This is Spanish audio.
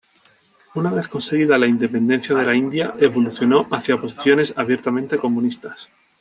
Una vez conseguida la independencia de la India evolucionó hacia posiciones abiertamente comunistas.